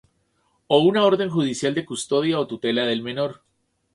o una orden judicial de custodia o tutela del menor.